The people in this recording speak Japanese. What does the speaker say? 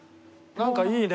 なんかいいね。